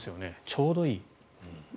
ちょうどいい。